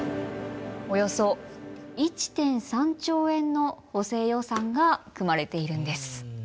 およそ１．３兆円の補正予算が組まれているんです。